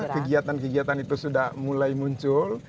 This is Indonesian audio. kegiatan kegiatan itu sudah mulai muncul